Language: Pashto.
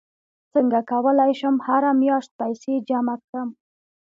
څنګه کولی شم هره میاشت پیسې جمع کړم